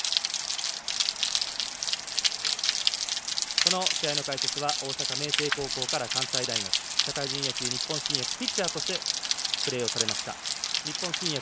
この試合の解説は大阪、明星高校から関西大学社会人野球、日本新薬でピッチャーとしてプレーされた日本新薬